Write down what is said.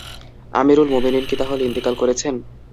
আমীরুল মুমিনীন কি তাহলে ইন্তেকাল করেছেন?